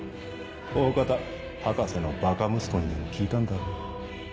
おおかた博士のバカ息子にでも聞いたんだろ。